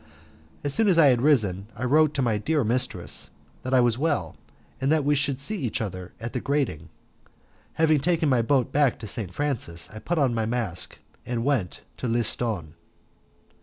As soon as I had risen I wrote to my dear mistress that I was well, and that we should see each other at the grating. Having taken my boat back to St. Francis, I put on my mask and went to Liston.